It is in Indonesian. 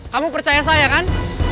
kamu percaya saya kan